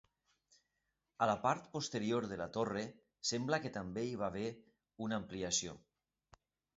A la part posterior de la torre sembla que també hi va haver una ampliació.